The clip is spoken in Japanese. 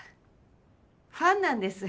ファンなんです。